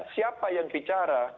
siapa yang bicara